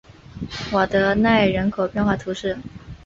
瓦德奈人口变化图示